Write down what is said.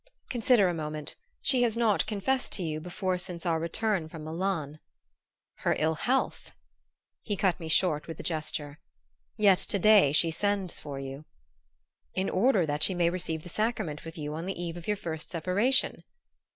"Consider a moment. She has not confessed to you before since our return from Milan " "Her ill health " He cut me short with a gesture. "Yet to day she sends for you " "In order that she may receive the sacrament with you on the eve of your first separation."